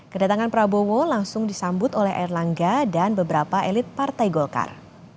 kedatangan prabowo langsung disambut oleh erlangga dan beberapa elit partai golkar